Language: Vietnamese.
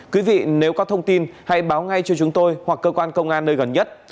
quý vị nếu có thông tin hãy báo ngay cho chúng tôi hoặc cơ quan công an nơi gần nhất